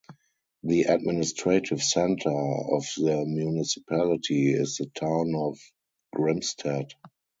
The administrative center of the municipality is the town of Grimstad.